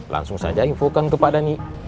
langsung saja infokan ke pak dhani